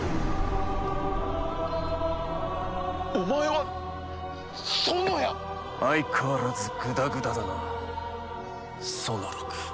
お前はソノヤ！相変わらずグダグダだなソノロク。